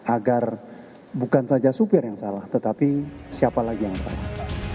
agar bukan saja supir yang salah tetapi siapa lagi yang salah